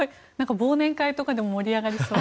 忘年会とかでも盛り上がりそう。